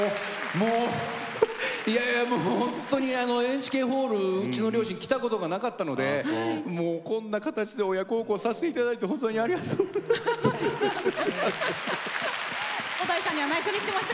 もう本当にＮＨＫホールにうちの両親来たことがなかったのでこんな形で親孝行させていただいてありがとうございます。